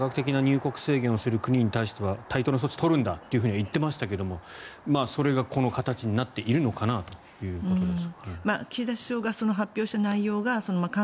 浜田さん、非科学的入国制限を取る措置に対しては対等な措置を取るんだとは言っていましたがそれがこの形になっているのかなということですね。